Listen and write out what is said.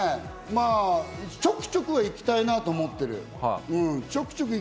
ちょくちょくは行きたいなと思ってる。